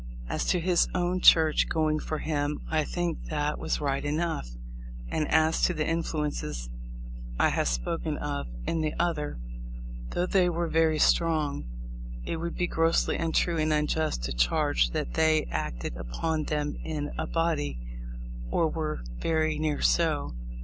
As to his own church going for him I think that was right enough ; and as to the influences I have spoken of in the other, though they were very strong, it would be grossly untrue and unjust to charge that they acted upon them in a body, or were very near so.